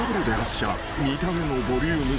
［見た目のボリューム。